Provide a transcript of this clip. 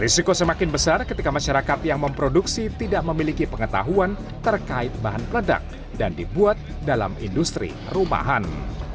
risiko semakin besar ketika masyarakat yang memproduksi tidak memiliki pengetahuan terkait bahan peledak dan dibuat dalam industri rumahan